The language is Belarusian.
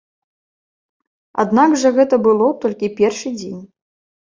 Аднак жа гэта было толькі першы дзень.